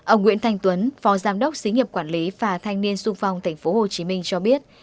ông nguyễn thanh tuấn phó giám đốc xí nghiệp quản lý và thanh niên sung phong tp hcm cho biết